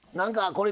これ。